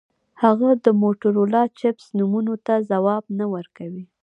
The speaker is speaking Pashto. هغه د موټورولا چپس نومونو ته ځواب نه ورکوي